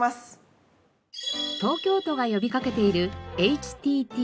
東京都が呼びかけている「ＨＴＴ」。